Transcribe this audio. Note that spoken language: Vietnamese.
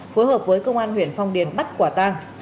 phối hợp với công an huyện phong điền bắt quả tang